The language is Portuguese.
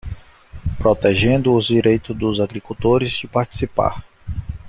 Protegendo os direitos dos agricultores de participar